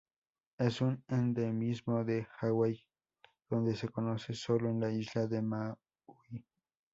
Es un endemismo de Hawaii, donde se conoce solo en la isla de Maui.